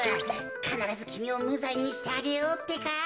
かならずきみをむざいにしてあげようってか。